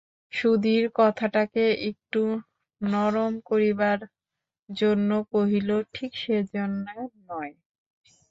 সুধীর কথাটাকে একটু নরম করিবার জন্য কহিল, ঠিক সেজন্যে নয়।